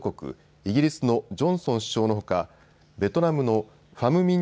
イギリスのジョンソン首相のほかベトナムのファム・ミン・